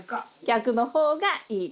逆の方がいい。